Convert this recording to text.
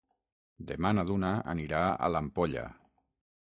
Demà na Duna anirà a l'Ampolla.